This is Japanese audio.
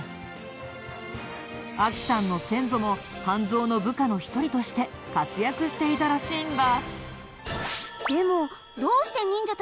亜樹さんの先祖も半蔵の部下の一人として活躍していたらしいんだ。